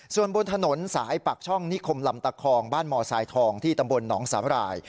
ส่วนบนถนนสายปากช่องนิคมลำตะคองบ้านมสายทองที่ตำบลหนองสาบราย